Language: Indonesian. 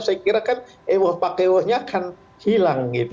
saya kira kan ewoh pakewohnya akan hilang gitu